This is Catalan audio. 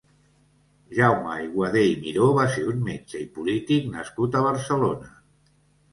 Jaume Aiguader i Miró va ser un metge i polític nascut a Barcelona.